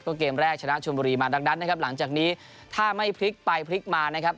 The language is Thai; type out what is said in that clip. ก็เกมแรกชนะชนบุรีมาดังนั้นนะครับหลังจากนี้ถ้าไม่พลิกไปพลิกมานะครับ